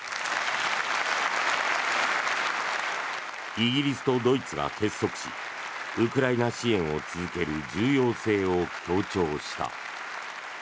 イギリスとドイツが結束しウクライナ支援を続ける重要性を強調した。